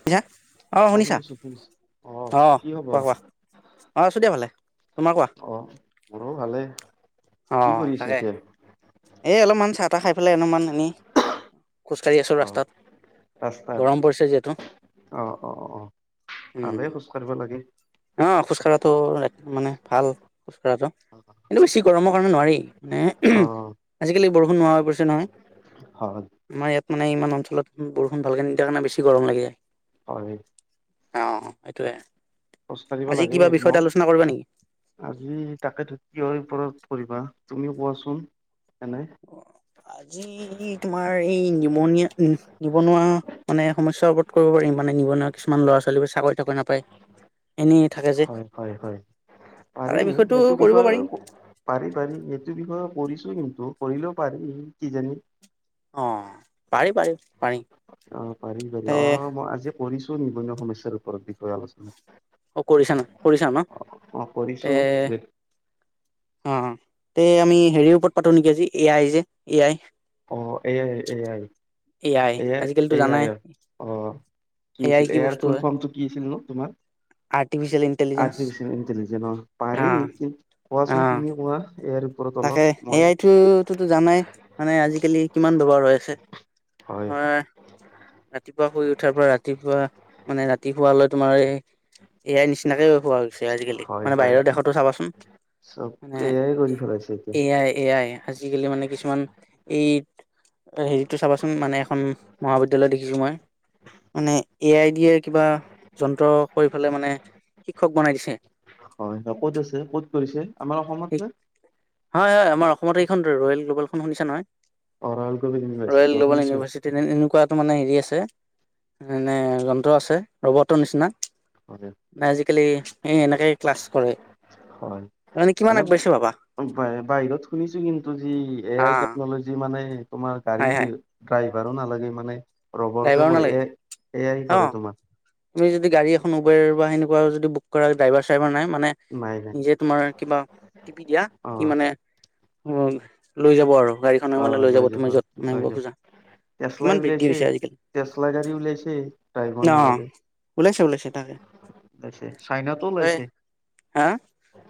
[unintelligible] অঁ অ শুনিছা? শুনিছো শুনিছো অ অঁ কি খবৰ কোৱা কোৱা? অঁ আছোঁ দিয়া ভালে, তোমাৰ কোৱা? অ' মোৰো ভালে, কি অ', কৰিছা তাকে। এতিয়া? এই অলপমান চাহ - তাহ খাই পেলাই অলপমান এনেই খোজ কঢ়ি আছো অ ৰাস্তাত। ৰাস্তাত? গৰম পৰিছে যিহেতু। অ' অ'। অ অ ভালে উম। খোজ কাঢ়িব লাগে। অ' খোজকঢ়াটো ৰাতি মানে ভাল, খোজ কঢ়াটো কিন্তু বেছি গৰমৰ কাৰণে নোৱাৰি। নে অ উহু, আজিকালি বৰষুণ নোহোৱা হৈ পৰিছে নহয়? হয়। আমাৰ ইয়াত মানে ইমান অঞ্চলত বৰষুণ ভালকে নিদিয়াৰ কাৰনে বেছি গৰম লাগি যায়। হয় অ' সেইটোয়ে। খোজকাঢ়িব আজি লাগে কিবা বিষয়ত ন? আলোচনা কৰিবা নেকি? আজি তাকেতো কিহৰ ওপৰত কৰিবা তুমিও কোৱাচোন এনে? আজি তোমাৰ এই নিমনিয়া উম নিবনুৱা মানে সমস্যাৰ ওপৰত কৰিব পাৰিম? মানে নিবনুৱা কিছুমান ল'ৰা ছোৱালীবোৰ চাকৰি টাকৰি নাপায় এনেই থাকে যে হয়, হয়, হয় পাৰি পাৰি তাৰে পাৰি বিষয়টো সেইটো কৰিব পাৰিম বিষয়কো পাৰি পাৰি এইটো বিষয়েও কৰিছো কিন্তু, কৰিলেও পাৰি কিজানি। অ' পাৰি পাৰি পাৰি। অ', পাৰি পাৰি তে অ' মই আজি কৰিছো নিবনুৱা সমস্যাৰ ওপৰত বিষয়ে আলোচনা। অ' কৰিছা ন কৰিছা ন? অ কৰিছো তে যে অ', তে আমি হেৰিৰ ওপৰত পাতো নেকি আজি? এ আই যে এ আই! অঁ, A I, A I A I S আজিকালিতো আই এ জানাই আইয়ত কি আছিল, এ আই ফুল ফৰ্মটো কি আছিলনো তোমাৰ? আৰ্টিফিচেল ইন্টেলি আৰ্টিফিচিয়েল ইটেলিজেন অ', পাৰি কি অ কোৱাচোন তুমি কোৱা এয়াৰ তাকে, এ আইটো টোতো, জানাই মানে আজিকালি কিমান ব্যৱহাৰ হৈ আছে! হয়! ৰাতিপুৱা শুই উঠাৰ পৰা ৰাতিপুৱা মানে ৰাতি শুৱালৈ তোমাৰ এই এ আই নিচিনাকে ব্যৱহাৰ হৈছে আজিকালি! হয় মানে হয় বাহিৰৰ হয় দেশতো চাবাচোন! চব মানে এ আই কৰি পেলাইছে এতিয়া এ আই, এ আই! আজিকালি মানে কিছুমান এই হেৰিটো চাবাচোন মানে এখন মহাবি বিদ্যালয়, দেখিছোঁ মই, মানে এ আই ডিয়ে কিবা যন্ত্ৰ কৰি পেলাই মানে শিক্ষক বনাই দিছে! হয়, ক'ত আছে? ক'ত কৰিছে? আমাৰ অসমত নে? হয়, হয়! আমাৰ অসমত এইখন ৰয়েল গ্ল'বেলখন শুনিছা নহয়? অ ৰয়েল কবিল ইউনিভাৰ্চিটি ৰয়েল অ গ্ল'বেল শুনিছো ইভাৰ্চিটি! তেনে এনেকুৱা এইটো মানে হেৰি আছে, মানে যন্ত্ৰ আছে ৰবটৰ নিচিনা! হয় নাই আজিকালি এই এনেকে ক্লাছ কৰে হয় মানে কিমান এনে আগবাঢ়িছে ভাবা! বাহিৰত শুনিছোঁ কিন্তু যি এ আই আহ টেকনলজি মানে তোমাৰ হাই গাড়ীৰ হাই ড্ৰাইভাৰো নালাগে মানে ৰবৰটোৱে ড্ৰাইভাৰো কৰে নালাগে এ, এ আই অ কৰে তোমাৰ! তুমি যদি গাড়ী এখন উবেৰ বা সেনেকুৱা যদি বুক কৰা ড্ৰাইভাৰ চাইভাৰ নাই মানে নাই নাই নিজে তোমাৰ কিবা টিপি দিয়া অ সি মানে উম লৈ যাব আৰু! গাড়ীখনে অ মানে লৈ যাব তুমি য'ত নামিব খোজা! টেসলাই কিমান বৃদ্ধি উলিয়াইছে, হৈছে আজিকালি টেসলা গাড়ী ওলাইছে অ ড্ৰাইভৰ নালাগে! ওলাইছে ওলাইছে তাকে চাইনাতো হয় ওলাইছে! হা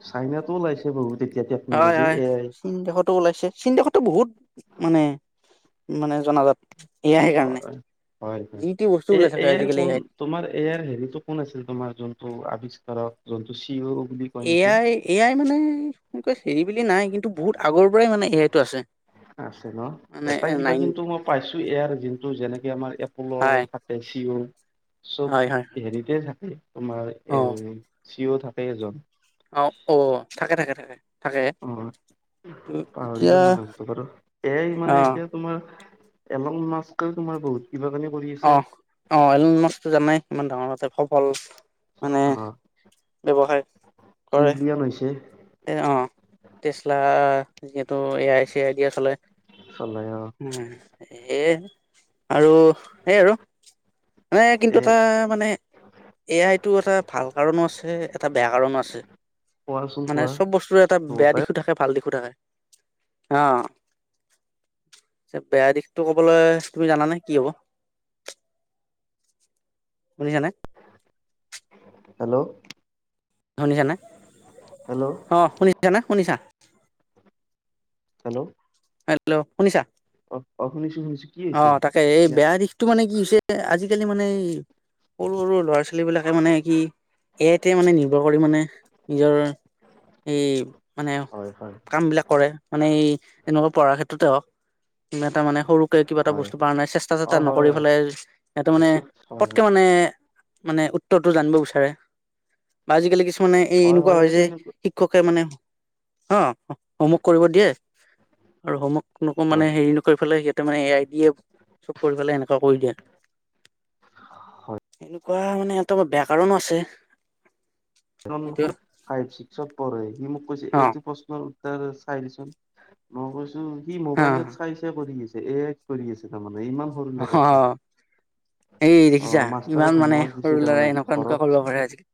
চাইনাটো ওলাইছে বহুতে! হয়, হয়! চীন দেশতো ওলাইছে! চীন দেশতো বহুত মানে মানে জনাজাত এ আই কাৰণে! হয় হয়! যি টি বস্তু এ, ওলাই থাকে এ আই আজিকালি কোন আইত তোমাৰ এ আইৰ হেৰিটো কোন আছিল, তোমাৰ যোনটো আৱিষ্কাৰক যোনটো চি অ' বুলি? কয় এ নেকি আই, এ আই মানে সেনকে হেৰি বুলি নাই, কিন্তু বহুত আগৰ পৰাই মানে এ আইটো আছে! আছে ন? মানে এটা কিবা নাইন কিন্তু মই পাইছোঁ এয়াৰ যোনটো যেনেকে আমাৰ এপলৰ হয় এ চি অ', চব হয় হয় হেৰিতে থাকে তোমাৰ অ এ চি অ' থাকেই এজন! অ', থাকে, থাকে, থাকে! থাকে অঁ, ত এতিয়া পাহৰিলোঁ মানুহটো বাৰু! এ আই অ মানে এতিয়া তোমাৰ এলং মাস্কেও তোমাৰ বহুত কিবা কানি কৰি আছে! অঁ, এলন মাচটো জানাই ইমান ডাঙৰ তাতে সফল- মানে অঁ, ব্যৱসায় কৰে ত্ৰিলিয়ন হৈছে। এ অঁ, টেচলা যিহেতু এ আই চি আই ডিয়ে চলাই। চলে অঁ। উম, হে আৰু সেই আৰু। মানে কিন্তু এ তাৰ মানে- এ আই টো এটা ভাল কাৰণো আছে এটা বেয়া কাৰণো আছে। কোৱাচোন মানে কোৱা চব বস্তুৰে এটা বেয়া দুটাই দিশো থাকে ভাল দিশো থাকে। অঁ পিছে, বেয়া দিশটো ক'বলে তুমি জানানে, কি হ'ব? শুনিছা নে? হেল্লো শুনিছা নে? হেল্লো' অঁ, শুনিছা নে, শুনিছা? হেল্লো' হেল্লো' শুনিছা? অ অ, শুনিছো শুনিছো। কি অ, হৈছে তাকে এই ইয়াত বেয়া দিশটো মানে কি হৈছে, আজিকালি মানে এই, সৰু সৰু ল'ৰা ছোৱালী বিলাকে মানে কি, এ আইতে মানে নিৰ্ভৰ কৰি মানে নিজৰ, এই মানে হয় হয় কাম বিলাক কৰে। মানে এই এনেকুৱা পঢ়াৰ ক্ষেত্ৰতে হওক, কিবা এটা মানে সৰু, কিবা এটা হয় বস্তু পাৰা নাই চেষ্টা অ জেষ্টা হয় নকৰি হয় পেলাই সিহতে মানে নিশ্চয় হয় পতকে মানে, মানে উত্তৰটো জানিব বিচাৰে। বা আজিকালি কিছুমানে এনেকুৱা হয় যে শি ক্ষকে মানে, অ হোমৱৰ্ক কৰিব দিয়ে। আৰু হোমৱৰ্ক নকো মানে হয় হেৰি নকৰি ফেলাই হেৰি সিহ তে মানে এ আই দিয়ে চব কৰি পেলাই এনেকুৱা কৰি দিয়ে। হয় এনেকুৱা মানে এটা বেয়া কাৰণো আছে। সেইটো ডনবস্কত ফাইভ ছিক্সত পঢ়ে, সি মোক কৈছে অ এইটো প্ৰশ্নৰ উ ত্তৰ চাই দেচোন। মই কৈছো সি অ মোবাইলত চাই চাই কৰি নিছে এ আই ত কৰি নিছে। তাৰ মানে, ইমান সৰু ল'ৰা এটাই। অ এই অ দেখিছা মাষ্টাৰে ইমান মানে হোমৱৰ্ক সৰু দিছিলে ল'ৰাই মানে এনেকুৱা এনেকুৱা কৰিব ঘৰত, পাৰে আজিকালি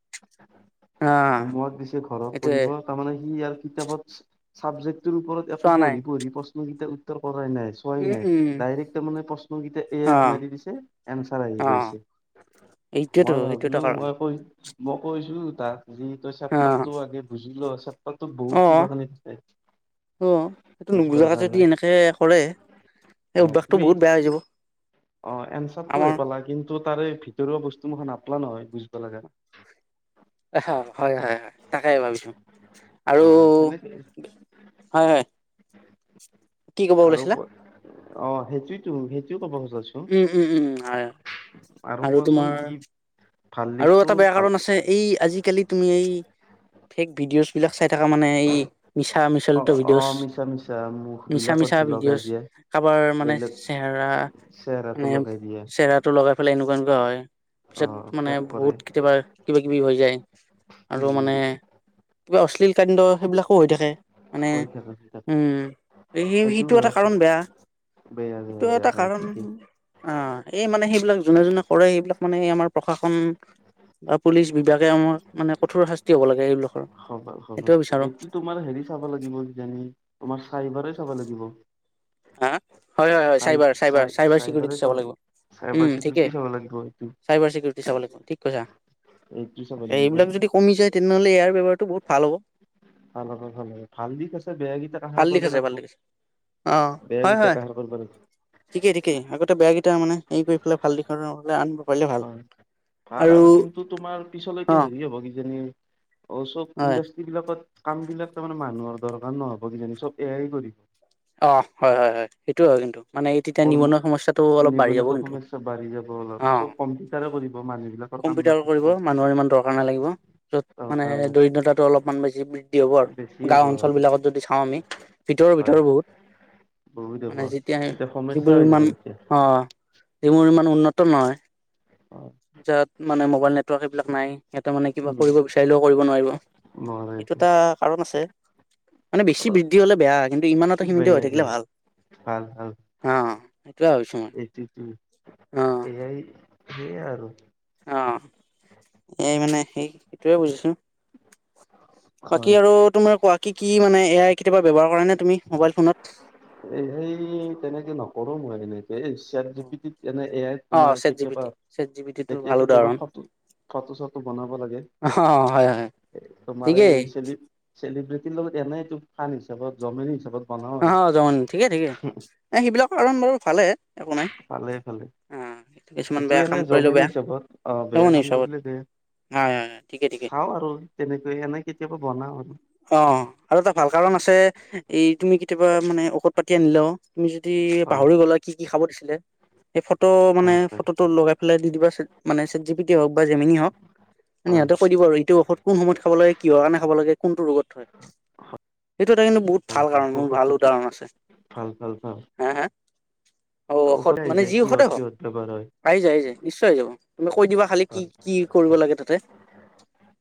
অ হোমৱৰ্ক দিছে ঘৰত সেইটোয়ে কৰিব। তাৰমানে সি ইয়াৰ কিতাপত চাবজেক্টটোৰ ওপৰত একো চোৱা নাই পঢ়ি পঢ়ি প্ৰশ্নকেইটাৰ উত্তৰ কৰাই নাইছো। চোৱাই উম নাই উম ডাইৰেক্ট তাৰমানে প্ৰশ্নকেইটা এ অ আইত মাৰি দিছে, এনছাৰ আহি অ গৈছে। এইটোয়েতো মই সেইটো এটা ভাবিলো কাৰণ মই পঢ়িম। মই কৈছিলো তাক, যে তই অ চেপ্তাৰটো আগে বুজিল', চে প্তাতো অ বহুত কিবাকিবি অ সেইটো থাকে বুজিবৰ নুবুজাকে কাৰণে। এই হয় অভ্যাসটো তুমি বহুত বেয়া হৈ যাব। অ এঞ্চাৰটো হে আমাৰ পালা, কিন্তু তাৰে ভিতৰুৱা বস্তু মুখা নাপালা নহয় বুজিব লগা। এইষা হয় হয় হয়। তাকে ভাবিছো অ আৰু তেনেকে হয় হয়। কি ক'ব ওলাইছিলা? আৰু অ সেইটোৱেতো সেইটোৱে কব খুজিছো। উম উম উম হয়, আৰু কোৱাচোন তোমাৰ কি ভাল আৰু দিশটো এটা বেয়া ভাল কাৰণ আছে, এই আজিকালিত তুমি এই, ফেক ভিডিঅ'ছ বিলাক চাই থাকা মানে, এই মিছা অ মিছলটো অ ভিডিঅ'ছ, মিছা মিছা মুখ মিছা বিলাকত মিছা যি লগাই ভিডিঅ'ছ দিয়ে কাৰোবাৰ মানে বেলেগ চেহেৰা চেহেৰাটো মানে লগাই দিয়ে চেহেৰাটো লগাই পেলাই এনেকুৱা এনেকুৱা হয়, অ পিছত মানে ফেক কৰে বহুত কেতিয়াবা কিবা কিবি হৈ যায়, আৰু মানে উম কিবা অশ্লীল কাণ্ড, সেইবিলাকো হৈ থাকে, মানে হৈ থাকে হৈ থাকে উম, সেইটো সেই-সেইটো হয়, এটা কাৰণ বেয়া, বেয়া বেয়া সেইটো বেয়া এটা হয় কাৰণ ঠিকেই অ', এই মানে সেইবিলাক যোনে যোনে কৰে, সেইবিলাক মানে এই আমাৰ প্ৰশাসন বা পুলিচ বিভাগে আমাৰ, মানে কঠোৰ শাস্তি হ'ব লাগে এইবিলাকৰ, হব হব সেইটোৱে বিচাৰোঁ। এইটো তোমাৰ হেৰি চাব লাগিব কিজানি, তোমাৰ চাইবাৰেই চাব লাগিব। হা? হয় হয় হয় চাইবাৰ চাইবাৰ চাইবাৰ চিকিউৰিটি চাই-চাই-চাইবাৰে চাব লাগিব লাগ উম চাইবাৰ ঠিকেই চিকউৰিটি চাব লাগিব এইটো, চাইবাৰ চিকিউৰিটি চাব লাগিব এইটো চাব লাগিব। প্ৰবলেম যদি কমি যায় তেনেহ'লে ইয়াৰ ব্যৱহাৰটো বহুত ভাল হ'ব। ভাল হ'ব ভাল হ'ব, ভাল দিশ আছে, বেয়া গিতাক ভাল কানসাৰ দিশ কৰিব আছে ভাল লাগিব। দিশ আছে অ', বেয়া হয় কেইটাক হয়। হাৰ কৰিব লাগিব ঠিকেই ঠিকেই, আগতে বেয়া কেইটা মানে হেৰি কৰি পেলাই ভাল দিশলৈ আনব হয়, ভাল আৰু কিন্তু তোমাৰ পিছলৈকে অ' হেৰি হ'ব, কিজানি অ', চব হয়। ইণ্ডাষ্ট্ৰ্ৰী বিলাকত কাম বিলাক তাৰ মানে মানুহৰ দৰকাৰ নহ'ব কিজানি, চব এ আইয়ে কৰিব অ', হয় হয় হয়, সেইটো হয় কিন্তু। মানে এই তেতিয়া কৰ্ম নিবনুৱা সমস্যাটো অলপ বাঢ়ি যাব নিবনুৱাটো কিন্তু, সমস্যা বাঢ়ি যাব অলপ চব অ'। কম্পিউটাৰে কৰিব মানুহ বিলাকৰ কাম কম্পিউটাৰ নাথাকিব কৰিব, মানুহৰ ইমান দৰকাৰ নালাগিব, য'ত তাৰ মানে কাৰণে দৰিদ্ৰতাটো অলপমান বেছি বৃ দ্ধি হ'ব আৰু, বেছি গাঁও হ'ব অঞ্চল বিলাকত সেইটো যদি চাওঁ আমি, ভিতৰৰ হয় ভিতৰৰ বহুত মানে [unintelligible] যেতিয়া সমস্যা যিবোৰ হৈ যাব ইমান, তেতিয়া অ', যিবোৰ ইমান উন্নত নহয়। অ'। যাত মানে ম'বাইল নেটৱৰ্ক এইবিলাক নাই, সিহঁতে মানে কিবা কৰিব নাই বিচাৰিলেও কৰিব নোৱাৰিব। নোৱাৰে এইটো একো এটা কাৰণ আছে, মানে বেছি বৃদ্ধি হ'লে বেয়া। কিন্তু ইমানতে সীমিত হৈ বেয়া থাকিলে বেয়া, ভাল ভাল ভাল। অ'। সেইটোৱে ভাবিছোঁ ম এইটো-এইটোৱে, এ আই সেইয়া আৰু। অ', এই মানে সেই-সেইটোৱে বুজিছোঁ। হয় বাকী আৰু তোমাৰ কোৱা, কি কি মানে এ আই কেতিয়াবা ব্যৱহাৰ কৰানে তুমি মোবাইল ফোনত? এ সেই, তেনেকে নকৰোঁ মই এনেকে এইচ চাত জিপিতিত, এনে এ আইত অ তোমাৰ চেট জি পি টি কেতিয়াবা চেট জি পি টি টো তেতিয়া ভাল কেতিয়াবা উদাহৰণ ফটো-ফটো চটো বনাব লাগে অ হয় হয় তোমাৰ এই ঠিকেই চেলি-চেলিব্ৰিটিৰ লগত এনেই এইটো ফান হিচাপত, জমনি হিচাপত বনাও আৰু অ', জমনি ঠিকেই ঠিকেই, এই সেইবিলাক কাৰণত বাৰু ভালেই, একো নাই। ভালে ভালেই, অ', কিছুমান এইটো বেয়া কাম এনেই কৰিলেও জমনি বেয়া হিচাপত, অ', বেয়া নিউজ কাম চাবত কৰিলে বেয়া হয় হয় হয়, ঠিকেই ঠিকেই। খাওঁ আৰু তেনেকৈ, এনেই কেতিয়াবা বনাওঁ আৰু। অ'। আৰু এটা ভাল কাৰণ আছে, এই তুমি কেতিয়াবা মানে ঔষধ পাতি আনিলেও, তুমি যদি হয় পাহৰি গ'লা কি কি খাব দিছিলে সেই ফটো মানে হয় হয় ফটোটো লগাই পেলাই দি দিবাচোন মানে চেট জিপিটি হওঁক বা জেমিনি হওঁক এনে হয় সিহঁতক সুদিব এইটোঔষধ কোন সময় খাব লাগে কিহৰ কাৰণে খাব লাগে। কোনটো ৰোগত থয়। সেইটো এটা কিন্তু বহুত ভাল কাৰণ মোৰ ভাল উদাহৰণ আছে। ভ, ভাল খাওঁ। হা, হা অ', ঔষধ অকলে মানে আহিছে। যি ঔষধে কিহত হওক কিহত বেপাৰ হয়। আহি যায়। আহি যায়। নিশ্চয় আহি যাব। তুমি কৈ দিবা খালি কি হয় কি? কৰিব হয় লাগে। তাতে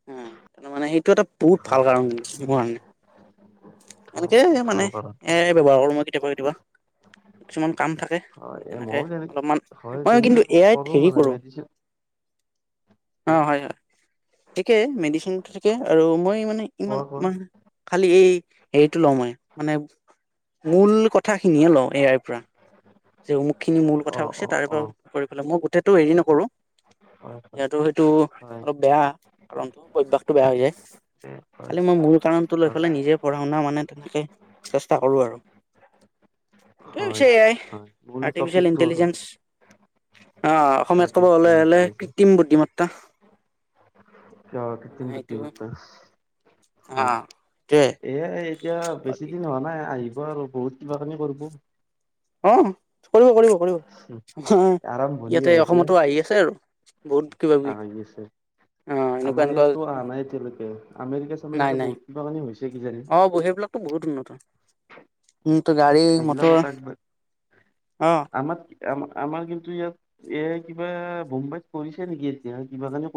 হ তাৰ মানে সেইটো এটা বহুত ভাল হয় কাৰণ মোৰ কাৰণে এনেকে মানে ভাল কাৰণ এ হয় ব্যৱহাৰ কৰোঁ। মই কেতিয়াবা কেতিয়াবা কিছুমান কাম থাকে। হয় এ তেনেকে ময়ো তেনে অলপমান হয় মই তেনেকে কিন্তু এ আইত কৰো হেৰি মানে কৰোঁ। মেডিচিন [inaudible] অ', হয়। হয়। থিকে মেডিচিন থিকে আৰু মই মানে কোৱা কোৱা ইমান খালি এই হেৰিটো লওঁ। মই মানে মূল কথা খিনিয়ে লওঁ এ আই পৰা যে অমুকখিনি অ মূলকথা কৈছে। অ তাৰে অ পৰা কৰি পেলাই মই গোটেইটো হেৰি নকৰোঁ। হয় হয় যিহেতু সেইটো হয় অলপ বেয়া কাৰণটো অভয়াসটো বেয়া হৈ যায়। দে, হয় খালি মই মূল কাৰণটো লৈ হয় পেলাই নিজে পঢ়া শুনা মানে তেনেকে চেষ্টা কৰোঁ আৰু ত, হয় পছেয়াই হয় মূল আৰ্টিফিচিয়েল টপিকটো আৰু ইণ্টেলিজেন্ঞ্চ আহ', অসমীয়াত ক'ব হ'লে আৰ্টিফিচিয়েল হ'লে ইন্টেলিজেন্স কৃত্ৰিম বুদ্ধিমত্তা ক, কিতিম সেইটো বৃদ্ধিম অ হয়। সেইটোৱে এ এতিয়া বেছি বাকী দিন হয়। নাই আহিব আৰু বহুত কিবা কিনি কৰিব। অ', কৰিব কৰিব কৰিব অ', আৰম্ভণিহে ইয়াতে এতিয়া অসমতো আহি আছে আৰু। বহুত কিবা কিবি আহি আছে। অ এনেকুৱা আমাৰ এনেকুৱা ইয়াতো অহা নাই এতিয়ালৈকে, আমেৰিকা নাই চামেৰিকা নাই বহুত কিবা কানি হৈছে কিজানি। অ', ব-সেইবিলাকতো বহুত উন্নত। উম, গাড়ী এইবিলাকত মটৰ অ'। আম-আমাৰ কিন্তু ইয়াত এ, কিবা বোম্বাইত পৰিছে নেকি এতিয়া কিবা কেনে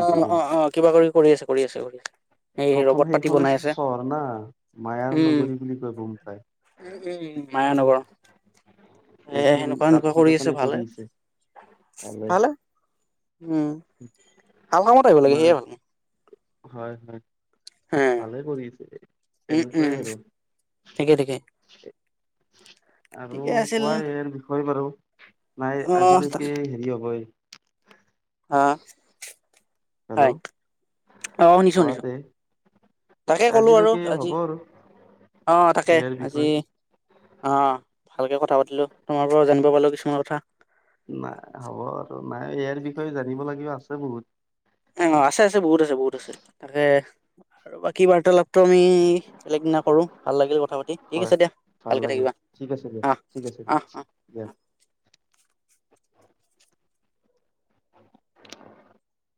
অ', অ', অ', কিবা কৰি কৰি আছে কৰি আছে বুলি। প্ৰথম সেইখনে চহৰ না, মায়াৰ উম নগৰী বুলি কয় বোম্বাই। উম, উম, মায়ানগৰ। এ, এইটো সেনেকুৱা তাত সেনেকুৱা কিবা কৰি কাৰণে আছে ভালহে। ভালে ভালহে উম। ভাল কামত আহিব লাগে তোমাৰ সিয়ে হয় হয়। ভালে কৰিছে, উম উম তেনেকুৱাই আৰু। ঠিকে ঠিকে আৰু ঠিকে আছিল কোৱা ইয়াৰ বিষয়ে বাৰু নাই অ', তা আজিলৈকে হেৰি হ'ব এই আ, হেল্ল' হয় অ', শুনিছোঁ শুনিছোঁ। কোৱাতে তাকে ক'লো আৰু আজিলৈকে আজি, হ'ব আৰু অ', তাকে ইয়াৰ আজি বিষয়ে অ', ভালকে কথা পাতিলোঁ তোমাৰ পৰাওঁ জানিব পাৰিলোঁ কিছুমান কথা। নাই হ'ব আৰু নাই ইয়াৰ বিষয়ে জানিব লাগিব আছে বহুত। অ', আছে আছে বহুত আছে বহুত আছে তাকে আৰু বাকী কি বাৰ্তালাপটো আমি বেলেগদিনা কৰোঁ ভাল লাগিল কথা পাতি, ঠিক হয় আছে দিয়া ভাল ভালকে লাগিল থাকিবা। ঠিক আছে দিয়ক অহ, ঠিক আছে অহ অ'। দিয়া [unintelligible]